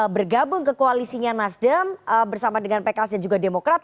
bergabung ke koalisinya nasdem bersama dengan pks dan juga demokrat